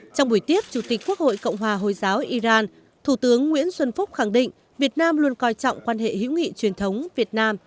trong buổi tiếp chủ tịch quốc hội cộng hòa hồi giáo iran thủ tướng nguyễn xuân phúc khẳng định việt nam luôn coi trọng quan hệ hữu nghị truyền thống việt nam